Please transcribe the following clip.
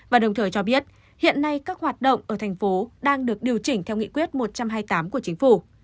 và đồng thời cho biết hiện nay các hoạt động ở thành phố đang được điều chỉnh theo nghị quyết một trăm hai mươi tám của chính phủ